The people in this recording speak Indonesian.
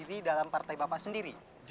sudah t arrow peng pro